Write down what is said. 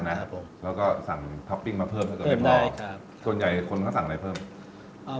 แล้วก็สั่งตอปติ๊งมาเพิ่มส่วนใหญ่คนเขาก็สั่งอะไรเข้าเป็น